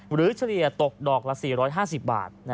เฉลี่ยตกดอกละ๔๕๐บาท